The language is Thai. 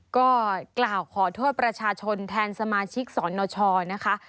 ก็กล่าวขอโทษประชาชนแทนสมาชิกสนชนะคะ